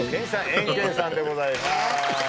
エンケンさんでございます。